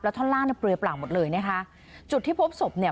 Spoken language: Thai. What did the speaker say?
ท่อนล่างเนี่ยเปลือยเปล่าหมดเลยนะคะจุดที่พบศพเนี่ย